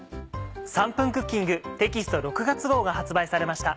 『３分クッキング』テキスト６月号が発売されました。